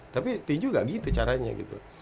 tapi tinju gak gitu caranya gitu